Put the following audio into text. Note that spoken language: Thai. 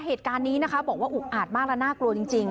เหตุการณ์นี้นะคะบอกว่าอุกอาดมากและน่ากลัวจริง